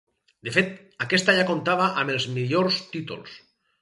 De fet, aquesta ja comptava amb els millors títols.